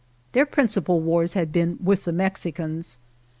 Their principal wars had been with the Mex icans.